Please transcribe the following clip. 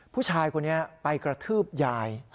ผู้ชายคนนี้ไปกระทืบยาย